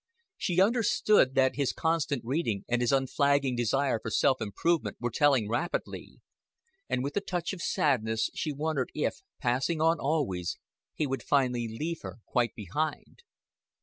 She understood that his constant reading and his unflagging desire for self improvement were telling rapidly; and with a touch of sadness she wondered if, passing on always, he would finally leave her quite behind.